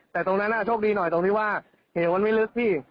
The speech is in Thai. แต่ตรงนั้นโชคดีหน่อยตรงที่ว่าเหวมันไม่ลึกพี่